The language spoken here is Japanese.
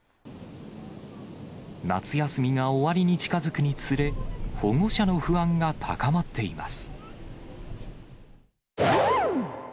夏休みが終わりに近づくにつれ、保護者の不安が高まっています。